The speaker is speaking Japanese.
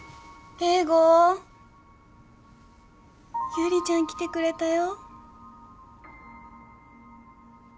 優里ちゃん来てくれたよ。